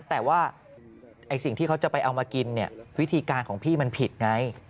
แต่ว่าสิ่งที่เขาจะไปเอามากินเนี่ยวิธีการของพี่มันผิดไง